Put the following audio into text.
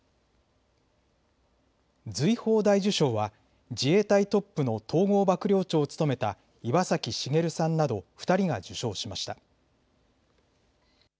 瑞宝大綬章は自衛隊トップの統合幕僚長を務めた岩崎茂さんなど２人が受章しました。